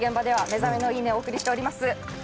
「目覚めのいい音」をお送りしております。